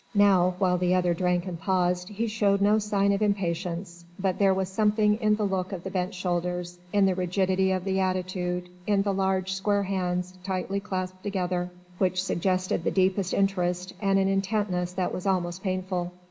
Now while the other drank and paused, he showed no sign of impatience, but there was something in the look of the bent shoulders, in the rigidity of the attitude, in the large, square hands tightly clasped together which suggested the deepest interest and an intentness that was almost painful.